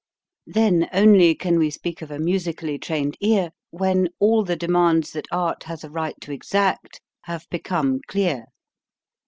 Then only can we speak of a musically trained ear, when all THE ATTACK AND THE VOWELS 87 the demands that art has a right to exact have become clear.